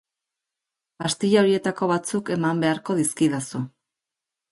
Pastilla horietako batzuk eman beharko dizkidazu.